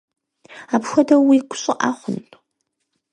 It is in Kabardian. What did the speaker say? Апхуэдэу уигу щӀыӀэ хъун?